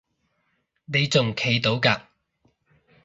你仲企到嘅？